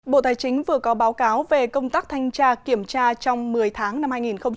bộ tài chính vừa có báo cáo về công tác thanh tra kiểm tra trong một mươi tháng năm hai nghìn hai mươi